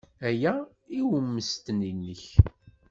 Aya i ummesten-nnek.